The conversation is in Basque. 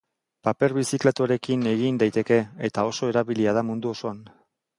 Paper birziklatuarekin egin daiteke, eta oso erabilia da mundu osoan.